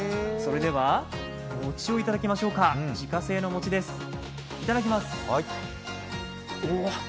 それでは餅をいただきましょうか、自家製の餅です。